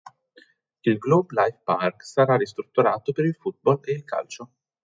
Il Globe Life Park sarà ristrutturato per il football e il calcio.